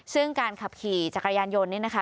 ซึ่งการขับขี่จักรยานยนต์นี่นะคะ